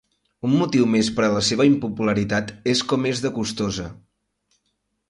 Un motiu més per a la seva impopularitat és com és de costosa.